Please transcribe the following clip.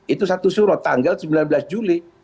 itu satu surut tanggal sembilan belas juli